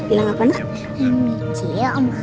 ini juga ya